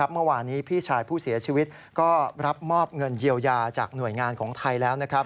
เมื่อวานนี้พี่ชายผู้เสียชีวิตก็รับมอบเงินเยียวยาจากหน่วยงานของไทยแล้ว